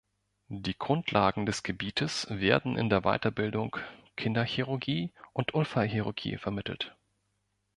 Die Grundlagen des Gebietes werden in der Weiterbildung Kinderchirurgie und Unfallchirurgie vermittelt.